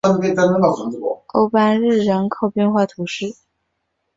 欧班日人口变化图示